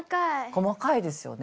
細かいですよね。